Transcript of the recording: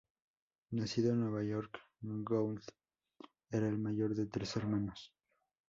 Nacido en Nueva York, Gould era el mayor de tres hermanos.